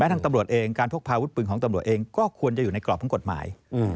ทางตำรวจเองการพกพาวุฒิปืนของตำรวจเองก็ควรจะอยู่ในกรอบของกฎหมาย